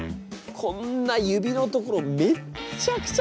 こんな指のところめっちゃくちゃ